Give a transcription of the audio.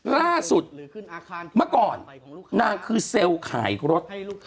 ล่าสุดเมื่อก่อนนางคือเซลล์ขายรถ